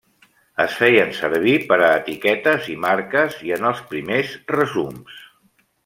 Es feien servir per a etiquetes i marques i en els primers resums.